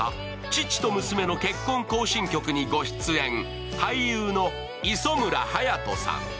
父と娘の結婚行進曲」にご出演、俳優の磯村勇斗さん。